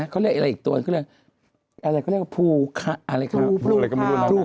เขาเรียกว่าอะไรนะเขาเรียกอะไรอีกตัว